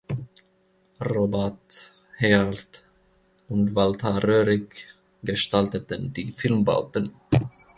Robert Herlth und Walter Röhrig gestalteten die Filmbauten.